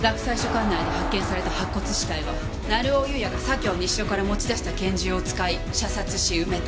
管内で発見された白骨死体は成尾優也が左京西署から持ち出した拳銃を使い射殺し埋めた。